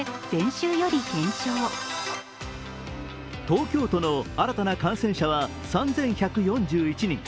東京都の新たな感染者は３１４１人。